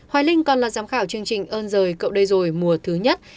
hoài linh còn là giám khảo chương trình ơn rời cậu đây rồi mùa thứ nhất